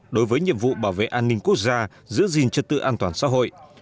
đối với nhiệm vụ bảo vệ an ninh quốc gia giữ gìn trật tự an toàn xã hội